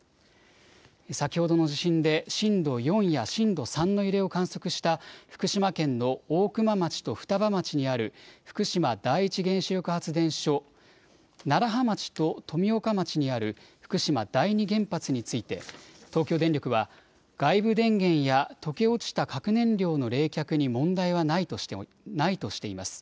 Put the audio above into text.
先ほどの地震で震度４や震度３の揺れを観測した福島県の大熊町と双葉町にある福島第一原子力発電所、楢葉町と富岡町にある福島第二原発について東京電力は、外部電源や溶け落ちた核燃料の冷却に問題はないとしています。